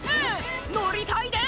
「乗りたいです